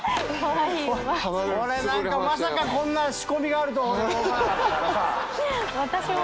これまさかこんな仕込みがあると思わなかったからさ。